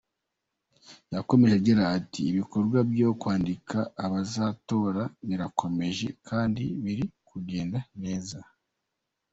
Yakomeje agira ati "Ibikorwa byo kwandika abazatora birakomeje kandi biri kugenda neza.